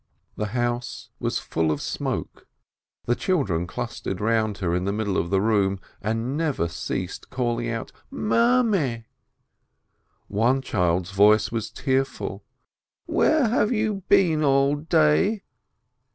The house was full of smoke, the children clustered round her in the middle of the room, and never ceased calling out Mame ! One child's voice was tearful : "Where have you been all day